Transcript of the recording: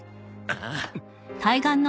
ああ。